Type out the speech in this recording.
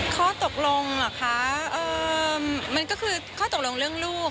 ข้อตกลงเหรอคะมันก็คือข้อตกลงเรื่องลูก